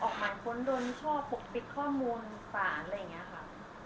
ว่าเป็นการออกหมายพ้นโดนชอบปลูกปิดข้อมูลฝ่านอะไรอย่างเงี้ยครับ